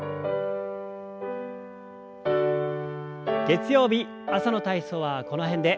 月曜日朝の体操はこの辺で。